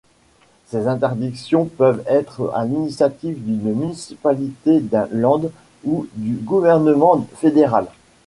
Ces interdictions peuvent être à l'initiative d'une municipalité, d'un Land ou du gouvernement fédéral.